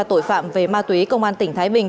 tội phạm về ma túy công an tỉnh thái bình